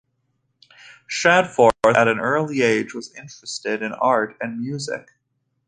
Shadforth at an early age was interested in art and music.